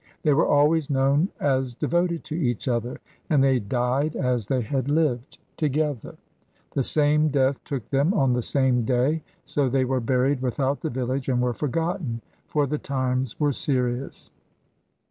They were always known as devoted to each other, and they died as they had lived together. The same death took them on the same day; so they were buried without the village and were forgotten; for the times were serious.